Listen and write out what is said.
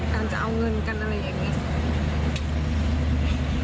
การจะเอาเงินกันอะไรอย่างนี้